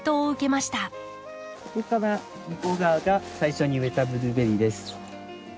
ここから向こう側が最初に植えたブルーベリーです。